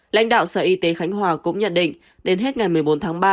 lãnh đạo sở y tế khánh hòa cũng nhận định đến hết ngày một mươi bốn tháng ba